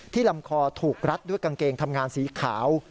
ลำคอถูกรัดด้วยกางเกงทำงานสีขาว